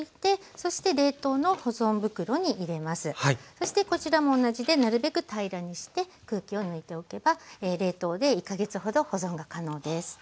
そしてこちらも同じでなるべく平らにして空気を抜いておけば冷凍で１か月ほど保存が可能です。